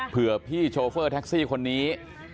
เพื่อพี่โชเฟอร์แท็กซี่คนนี้